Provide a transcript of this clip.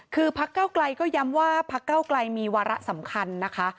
คือพักเก้าไกลก็ย้ำว่าพักเก้าไกลมีวาระสำคัญนะคะ